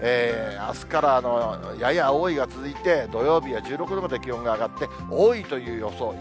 あすからやや多いが続いて、土曜日は１６度まで気温が上がって、多いという予想。